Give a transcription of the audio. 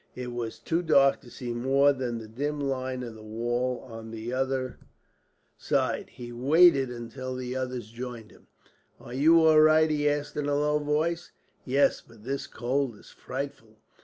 It was too dark to see more than the dim line of the wall on the other side. He waited until the others joined him. "Are you all right?" he asked, in a low voice. "Yes, but this cold is frightful."